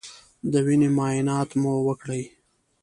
د وینې معاینات مو وکړی